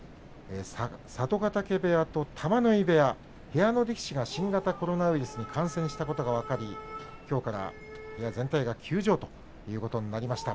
佐渡ヶ嶽部屋と玉ノ井部屋部屋の力士が新型コロナウイルスに感染したことが分かりきょうから部屋全体が休場ということになりました。